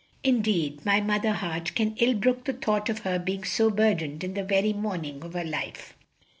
Indeed, my mother heart can ill brook the thought of her being so burdened in the very morning of her life."